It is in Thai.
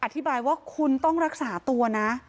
อธิบายว่าคุณต้องรักษาตัวนะ